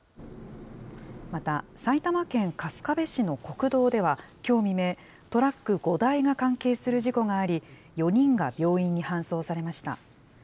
また、埼玉県春日部市の国道では、きょう未明、トラック５台が関係する事故があり、４人が病院に搬送されました。